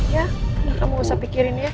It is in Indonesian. ya kamu gak usah pikirin ya